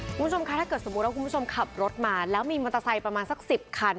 คุณผู้ชมคะถ้าเกิดสมมุติว่าคุณผู้ชมขับรถมาแล้วมีมอเตอร์ไซค์ประมาณสัก๑๐คัน